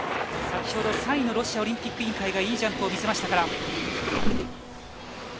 ３位のロシアオリンピック委員会がいいジャンプを見せましたから。